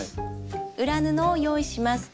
裏布を用意します。